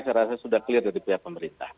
saya rasa sudah clear dari pihak pemerintah